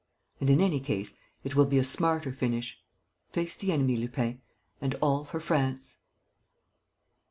And, in any case, it will be a smarter finish. ... Face the enemy, Lupin, and all for France!